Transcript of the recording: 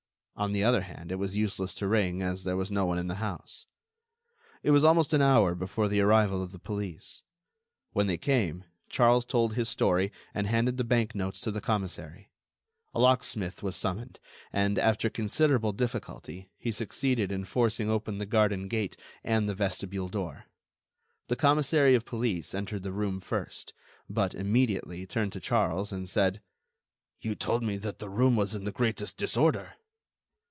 On the other hand, it was useless to ring, as there was no one in the house. It was almost an hour before the arrival of the police. When they came, Charles told his story and handed the bank notes to the commissary. A locksmith was summoned, and, after considerable difficulty, he succeeded in forcing open the garden gate and the vestibule door. The commissary of police entered the room first, but, immediately, turned to Charles and said: "You told me that the room was in the greatest disorder."